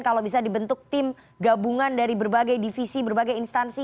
kalau bisa dibentuk tim gabungan dari berbagai divisi berbagai instansi